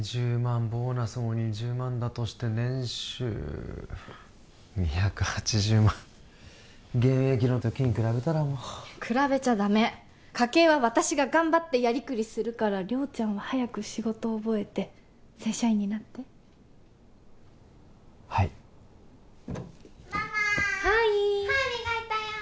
ボーナスも２０万だとして年収２８０万現役の時に比べたらもう比べちゃダメ家計は私が頑張ってやりくりするから亮ちゃんは早く仕事を覚えて正社員になってはいママはい歯磨いたよ